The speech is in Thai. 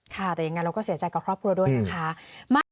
ค่ะแต่ยังไงเราก็เสียใจกับครอบครัวด้วยนะคะ